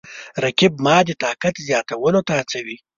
رقیب زما د طاقت زیاتولو ته هڅوي